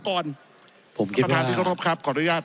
ขอประท้วงครับขอประท้วงครับขอประท้วงครับขอประท้วงครับ